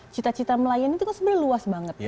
cita cita melayan itu kan sebenarnya luas banget